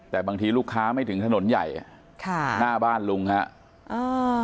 แต่บางทีลูกค้าไม่ถึงถนนใหญ่หน้าบ้านลุงครับ